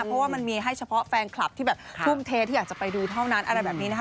เพราะว่ามันมีให้เฉพาะแฟนคลับที่แบบทุ่มเทที่อยากจะไปดูเท่านั้นอะไรแบบนี้นะคะ